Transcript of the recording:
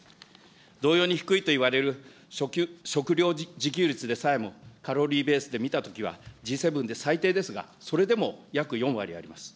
同様に低いといわれる食料自給率でさえもカロリーベースで見たときには、Ｇ７で最低ですが、それでも約４割あります。